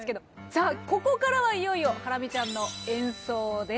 さあここからはいよいよハラミちゃんの演奏です。